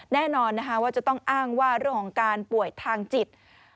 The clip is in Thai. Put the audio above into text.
แน่นอนนะคะว่าจะต้องอ้างว่าเรื่องของการป่วยทางจิต